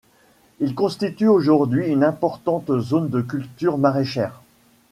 Il constitue aujourd’hui une importante zone de culture maraîchère.